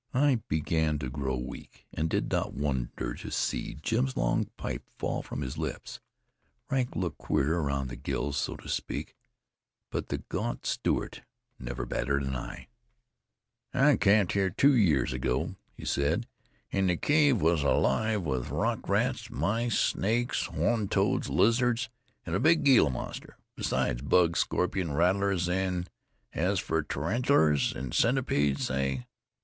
I began to grow weak, and did not wonder to see Jim's long pipe fall from his lips. Frank looked queer around the gills, so to speak, but the gaunt Stewart never batted an eye. "I camped here two years ago," he said, "An' the cave was alive with rock rats, mice, snakes, horned toads, lizards an' a big Gila monster, besides bugs, scorpions' rattlers, an' as fer tarantulers an' centipedes say!